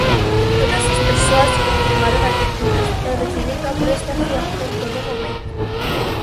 Todas as persoas continuaron atendidas e recibindo a prestación en todo momento.